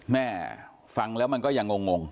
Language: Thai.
แม่ฟังแล้วมันก็ยังงง